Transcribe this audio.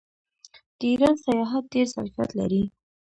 د ایران سیاحت ډیر ظرفیت لري.